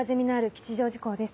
吉祥寺校です。